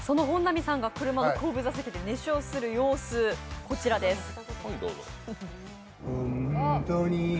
本並さんが車の後部座席で熱唱する様子、こちらです。